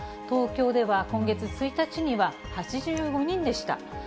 東京では今月１日には８５人でした。